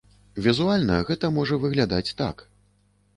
Візуальна гэта можа выглядаць так.